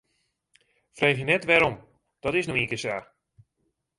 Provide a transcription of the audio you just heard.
Freegje net wêrom, dat is no ienkear sa.